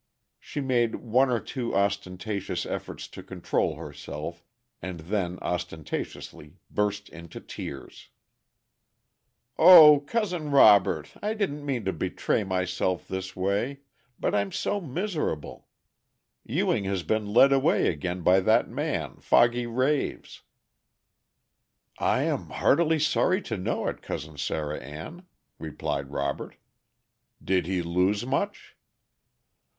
She made one or two ostentatious efforts to control herself, and then ostentatiously burst into tears. [Illustration: COUSIN SARAH ANN.] "Oh! Cousin Robert, I didn't mean to betray myself this way. But I'm so miserable. Ewing has been led away again by that man, Foggy Raves." "I am heartily sorry to know it, Cousin Sarah Ann," replied Robert. "Did he lose much?"